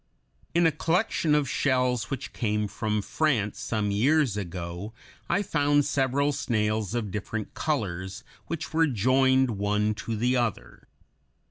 In a collection of shells which came from France some years ago I found several snails of different colors which were joined one to the other.